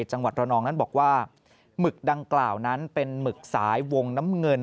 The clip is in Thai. จังหวัดระนองนั้นบอกว่าหมึกดังกล่าวนั้นเป็นหมึกสายวงน้ำเงิน